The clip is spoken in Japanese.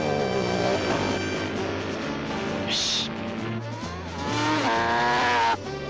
よし。